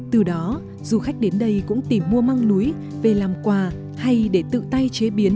từ đó du khách đến đây cũng tìm mua măng núi về làm quà hay để tự tay chế biến